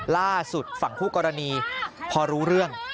ล่าสุดฝั่งคู่กรณีพอรู้เรื่อง